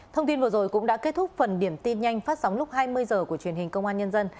thông tin vừa rồi cũng đã kết thúc phần điểm tin nhanh phát sóng lúc hai mươi h của truyền hình công an nhân dân